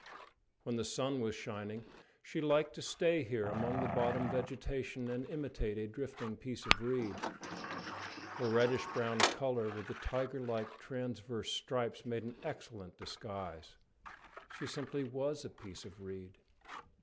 When the sun was shining she liked to stay here among the bottom vegetation and imitate a drifting piece of reed. Her reddish brown colour with the tiger like transverse stripes made an excellent disguise. She simply was a piece of reed.